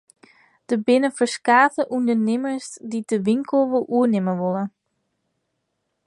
Der binne ferskate ûndernimmers dy't de winkel wol oernimme wolle.